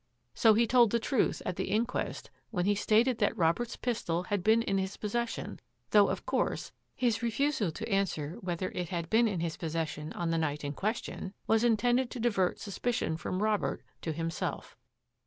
So he told the truth at the inquest when he stated that Rob ert's pistol had been in his possession, though, of course, his refusal to answer whether it had been in his possession on the night in question was in tended to divert suspicion from Robert to him self.